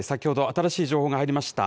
新しい情報が入りました。